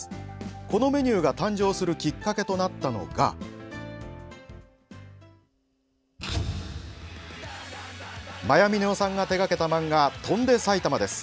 このメニューが誕生するきっかけとなったのが魔夜峰央さんが手がけた漫画「翔んで埼玉」です。